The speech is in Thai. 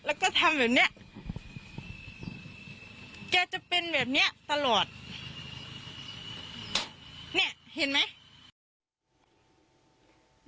แล้วก็ทำแบบเนี้ยแกจะเป็นแบบเนี้ยตลอดเนี่ยเห็นไหม